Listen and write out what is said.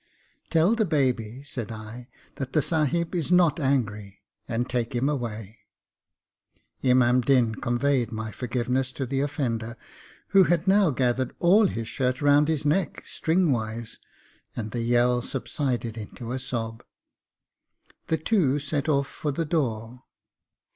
Tell the baby,' said I, 'that the Sahib is not angry, and take him away.' Imam Din conveyed my forgiveness to the offender, who had now gathered all his shirt round his neck, stringwise, and the yell subsided into a sob. The two set off for the door.